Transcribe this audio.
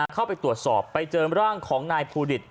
เข้าไปตรวจสอบไปเจอร่างของนายภูดิต